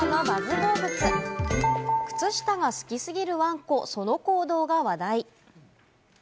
どうぶつ、靴下が好き過ぎるワンコ、その行動が話題。